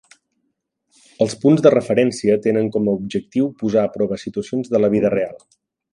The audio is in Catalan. Els punts de referència tenen com a objectiu posar a prova situacions de la "vida real".